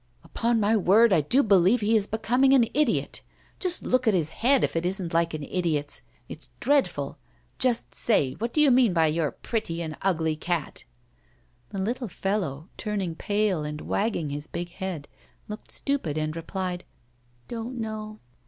Upon my word, I do believe he is becoming an idiot. Just look at his head, if it isn't like an idiot's. It's dreadful. Just say; what do you mean by your pretty and ugly cat?' The little fellow, turning pale and wagging his big head, looked stupid, and replied: 'Don't know.